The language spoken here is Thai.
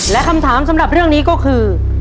และคำถามสำหรับเรื่องนี้ก็คือ